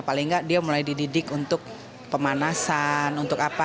paling nggak dia mulai dididik untuk pemanasan untuk apa